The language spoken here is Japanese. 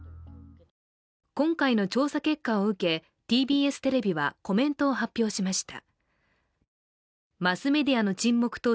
今回の調査結果を受けＴＢＳテレビはコメントを発表しました。